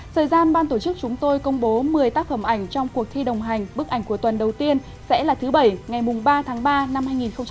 thời gian ban tổ chức chúng tôi công bố một mươi tác phẩm ảnh trong cuộc thi đồng hành bức ảnh của tuần đầu tiên sẽ là thứ bảy ngày ba tháng ba năm hai nghìn hai mươi